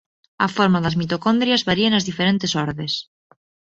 A forma das mitocondrias varía nas diferentes ordes.